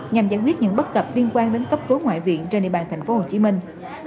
nhằm giải quyết những bất cập liên quan đến cấp cứu ngoại viện trên địa bàn thành phố hồ chí minh